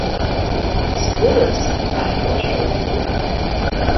Сгәыраз дааикәашәоит.